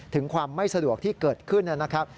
ถึงความไม่สะดวกที่เกิดขึ้นนะครับ